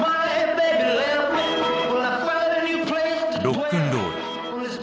ロックンロール。